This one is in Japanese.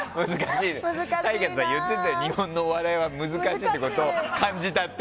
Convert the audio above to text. ＴＡＩＧＡさん言ってたよ日本のお笑いが難しいってことを感じたって。